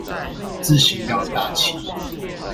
字型要大器一點